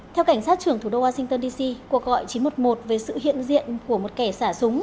theo cảnh sát trưởng thủ đô washington dc cuộc gọi chín trăm một mươi một về sự hiện diện của một kẻ xả súng